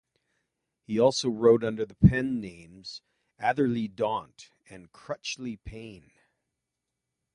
He also wrote under the pen names Atherley Daunt and Crutchley Payne.